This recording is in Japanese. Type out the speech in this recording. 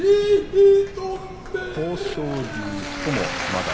豊昇龍ともまだ。